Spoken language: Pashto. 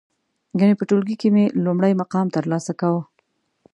گني په ټولگي کې مې لومړی مقام ترلاسه کاوه.